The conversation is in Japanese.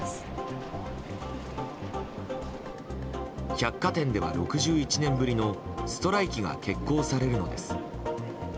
百貨店では６１年ぶりのストライキが決行されるのです。